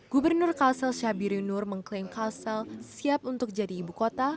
gubernur kalsel syabirin nur mengklaim kalsel siap untuk jadi ibu kota